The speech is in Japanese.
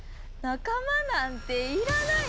仲間なんていらないわ。